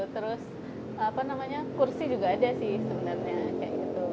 terus apa namanya kursi juga ada sih sebenarnya